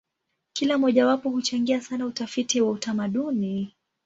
Kila mojawapo huchangia sana utafiti wa utamaduni.